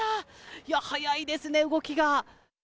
いや、早いですね、動きが。